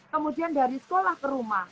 kemudian dari sekolah ke rumah